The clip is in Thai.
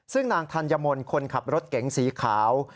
ซึ่งนางธัญมนต์คนขับรถเก๋งสีขาว